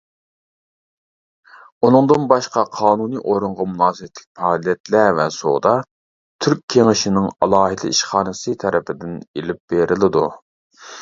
ئۇنىڭدىن باشقا، قانۇنىي ئورۇنغا مۇناسىۋەتلىك پائالىيەتلەر ۋە سودا «تۈرك كېڭىشىنىڭ ئالاھىدە ئىشخانىسى» تەرىپىدىن ئېلىپ بېرىلىدۇ.